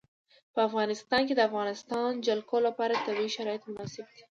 په افغانستان کې د د افغانستان جلکو لپاره طبیعي شرایط مناسب دي.